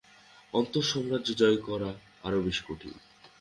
অন্তঃসাম্রাজ্য জয় করা আরও বেশী কঠিন।